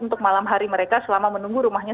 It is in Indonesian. untuk malam hari mereka selama menunggu rumahnya